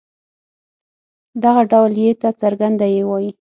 دغه ډول ي ته څرګنده يې وايي.